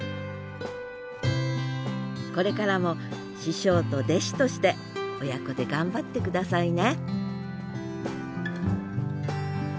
これからも師匠と弟子として親子で頑張って下さいね